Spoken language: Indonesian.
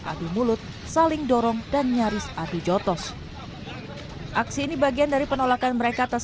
adu mulut saling dorong dan nyaris adu jotos aksi ini bagian dari penolakan mereka atas